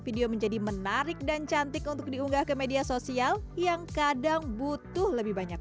video menjadi menarik dan cantik untuk diunggah ke media sosial yang kadang butuh lebih banyak